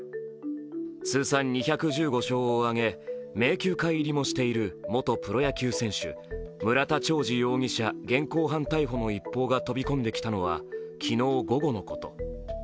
通算２１５勝を挙げ、名球会入りもしている村田兆治容疑者、現行犯逮捕の一報が飛び込んできたのは、昨日午後のこと。